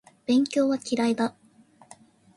勉強は嫌いだ